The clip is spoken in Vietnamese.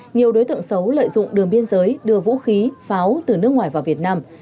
nhiều đối tượng xấu lợi dụng đường biên giới đưa vũ khí pháo từ nước ngoài vào việt nam